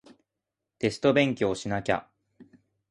テスト勉強しなきゃ